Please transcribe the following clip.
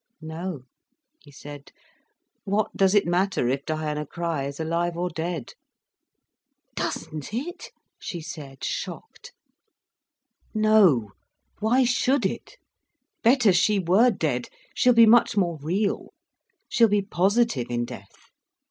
"No," he said. "What does it matter if Diana Crich is alive or dead?" "Doesn't it?" she said, shocked. "No, why should it? Better she were dead—she'll be much more real. She'll be positive in death.